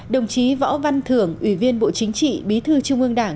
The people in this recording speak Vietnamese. đồng chí võ văn thưởng ủy viên bộ chính trị bí thư trung ương đảng